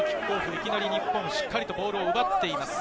いきなり日本、しっかりとボールを奪っています。